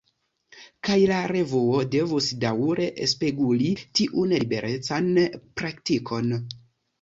Kaj la revuo devus daŭre “speguli” tiun liberecan praktikon.